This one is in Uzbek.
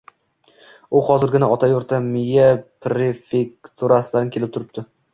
U hozirgina ota yurti Mie prefekturasidan kelib turibdi